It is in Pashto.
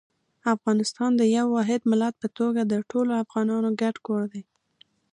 افغانستان د یو واحد ملت په توګه د ټولو افغانانو ګډ کور دی.